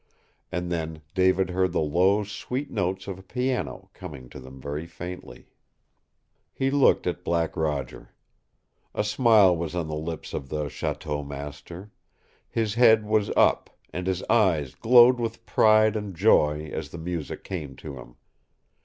And then David heard the low, sweet notes of a piano coming to them very faintly. He looked at Black Roger. A smile was on the lips of the chateau master; his head was up, and his eyes glowed with pride and joy as the music came to him.